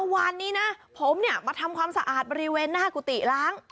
วันนี้นะผมมาทำความสะอาดบริเวณหน้ากุฏิล้าง